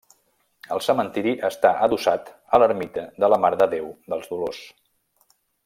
El cementiri està adossat a l'ermita de la Mare de Déu dels Dolors.